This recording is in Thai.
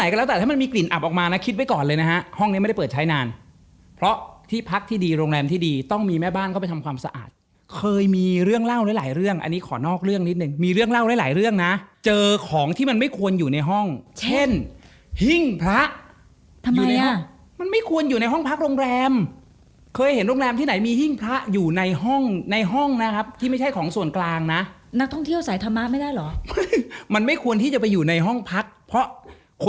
กลัวไว้ก่อนเผื่อเจอจะไม่ตกใจมาก